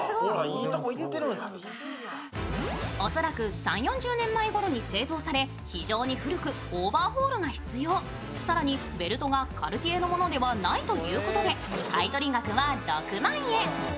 恐らく３０４０年前に製造され非常に古く、オーバーホールが必要更にベルトがカルティエのものではないということで買取額は６万円